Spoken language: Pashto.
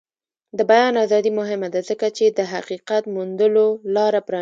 د بیان ازادي مهمه ده ځکه چې د حقیقت موندلو لاره پرانیزي.